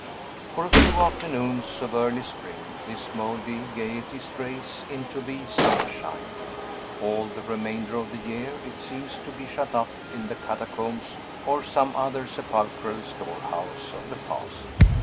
For a few afternoons of early spring, this mouldy gayety strays into the sunshine; all the remainder of the year, it seems to be shut up in the catacombs or some other sepulchral storehouse of the past.